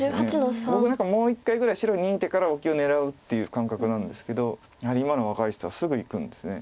僕なんかもう一回ぐらい白に右にいってから置きを狙うっていう感覚なんですけどやはり今の若い人はすぐいくんですね。